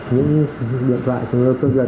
những điện thoại chúng tôi cướp giật